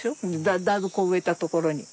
だいぶこう植えたところに。